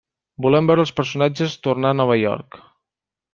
Volem veure els personatges tornar a Nova York.